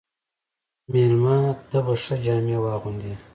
مېلمه ته به ښه جامې واغوندې.